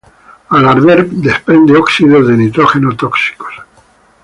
Al arder desprende óxidos de nitrógeno tóxicos.